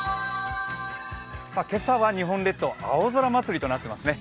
今朝は日本列島青空祭りとなっていますね。